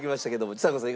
ちさ子さん